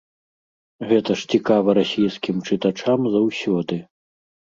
Гэта ж цікава расійскім чытачам заўсёды.